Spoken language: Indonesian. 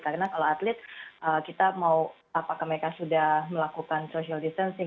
karena kalau atlet kita mau apakah mereka sudah melakukan social distancing